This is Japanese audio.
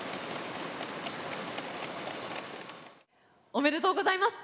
おめでとうございます！